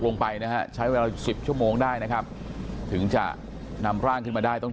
ลงไปนะฮะใช้เวลาสิบชั่วโมงได้นะครับถึงจะนำร่างขึ้นมาได้ต้อง